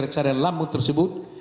carian lambung tersebut